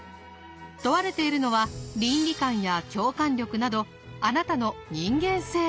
問われているのは倫理観や共感力などあなたの人間性。